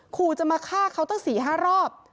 ขู่จะมาฆ่าเขาตั้ง๔๕รอบ